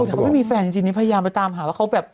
เขาไม่มีแฟนจริงพยายามไปตามหา